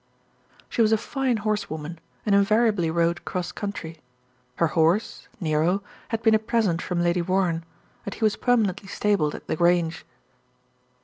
She was a fine horsewoman, and invariably rode cross country. Her horse, Nero, had been a present from Lady Warren, and he was permanently stabled at The Grange.